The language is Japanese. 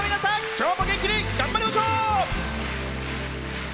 今日も元気に頑張りましょう！